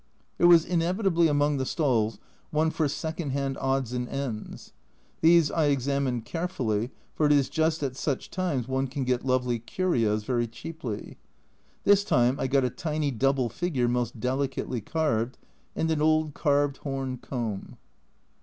There was inevitably among the stalls one for second hand odds and ends. These I examined care fully, for it is just at such times one can get lovely curios very cheaply. This time 1 got a tiny double figure, most delicately carved, and an old carved horn comb.